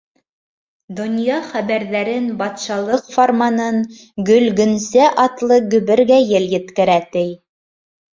Донъя хәбәрҙәрен, батшалыҡ фарманын Гөл-Гөнсә атлы гөбөргәйел еткерә, ти.